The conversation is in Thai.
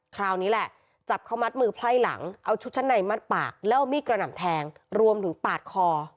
คราวนี้แหละจับเขามัดมือไพ่หลังเอาชุดชั้นในมัดปากแล้วเอามีดกระหน่ำแทงรวมถึงปาดคอ